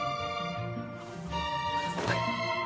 はい。